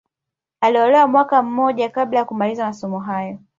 Aliolewa mwaka mmoja baada ya kumaliza masomo hayo